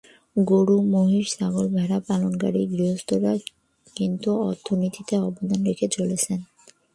গরু, মহিষ, ছাগল, ভেড়া পালনকারী গৃহস্থেরা কিন্তু অর্থনীতিতে অবদান রেখে চলেছেন।